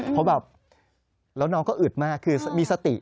เพราะแบบแล้วน้องก็อึดมากคือมีสติ